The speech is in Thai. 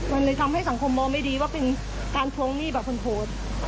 มันเลยทำให้สังคมมองไม่ดีว่าเป็นการทวงหนี้แบบคนโพสต์